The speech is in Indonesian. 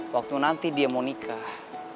waktu nanti dia mau nikah